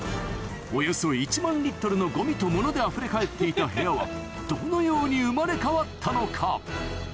およそ１万のゴミとモノであふれ返っていた部屋はどのように生まれ変わったのか？